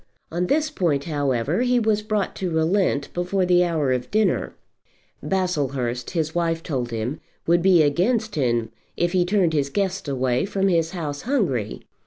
On this point, however, he was brought to relent before the hour of dinner. Baslehurst, his wife told him, would be against him if he turned his guests away from his house hungry.